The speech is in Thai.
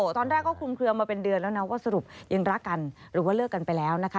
ตอนแรกก็คุมเคลือมาเป็นเดือนแล้วนะว่าสรุปยังรักกันหรือว่าเลิกกันไปแล้วนะคะ